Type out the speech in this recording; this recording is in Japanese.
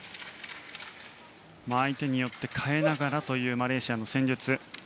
相手によって変えながらというマレーシアの戦術。